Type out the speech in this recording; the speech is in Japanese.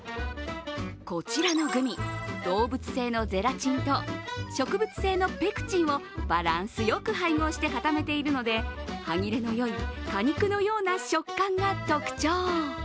こちらのグミ、動物性のゼラチンと植物性のペクチンをバランスよく配合して固めているので歯切れのよい果肉のような食感が特徴。